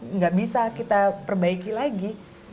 nggak bisa kita perbaiki lagi